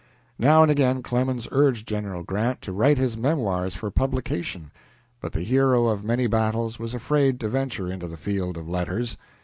Now and again Clemens urged General Grant to write his memoirs for publication, but the hero of many battles was afraid to venture into the field of letters.